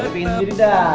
lo pingin jadi dah